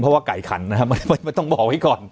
เพราะว่าไก่ขันนะครับไม่ต้องบอกไว้ก่อน